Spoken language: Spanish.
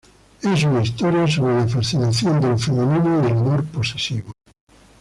Es una historia sobre la fascinación de lo femenino y el amor posesivo.